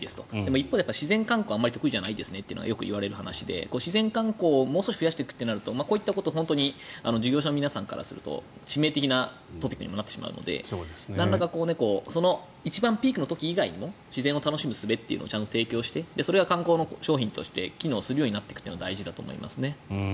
一方で自然観光はあまり得意ではないですねとよく言われる話で自然観光をもう少し増やしていくということになるとこういうことは事業者の皆さんからすると致命的なトピックになってしまうのでなんらか一番ピークの時以外にも自然を楽しむすべというのをちゃんと提供してそれが観光の商品として機能していくことが大事になっていくと思いますね。